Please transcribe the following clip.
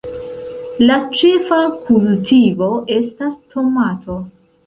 La ĉefa kultivo estas tomato.